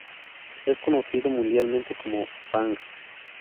Es conocido mundialmente como Bang!